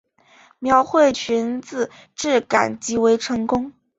描绘裙子质感极为成功